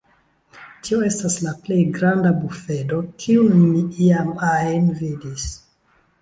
Tio estas la plej granda bufedo kiun mi iam ajn vidis.